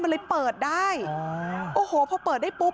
มันเลยเปิดได้โอ้โหพอเปิดได้ปุ๊บ